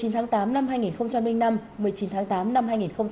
một mươi tháng tám năm hai nghìn năm một mươi chín tháng tám năm hai nghìn một mươi chín